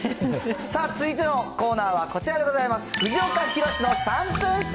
さあ、続いてのコーナーはこちらでございます。